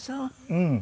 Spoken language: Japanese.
うん。